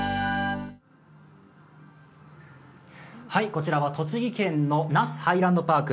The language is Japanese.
こちらは栃木県の那須ハイランドパーク。